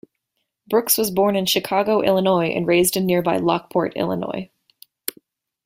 Brooks was born in Chicago, Illinois, and raised in nearby Lockport, Illinois.